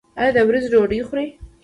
ایا د ورځې ډوډۍ خورئ؟